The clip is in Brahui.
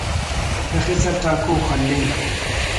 تخسا ٹاکو خلنگ